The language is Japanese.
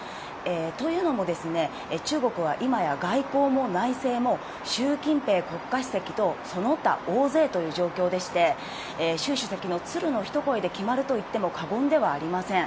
というのも、中国は今や外交も内政も、習近平国家主席とその他大勢という状況でして、習主席のツルの一声で決まると言っても過言ではありません。